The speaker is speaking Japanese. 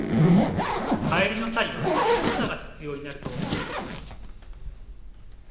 帰りの際は傘が必要になると思う